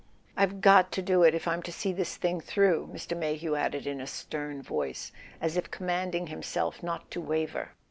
"Eve got to do it, if I'm to see this thing through," Mr. Mayhew added in a stern voice, as if commanding himself not to waver.